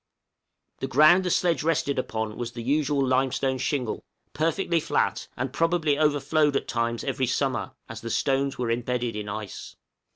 The ground the sledge rested upon was the usual limestone shingle, perfectly flat, and probably overflowed at times every summer, as the stones were embedded in ice.